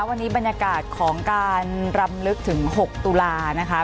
วันนี้บรรยากาศของการรำลึกถึง๖ตุลานะคะ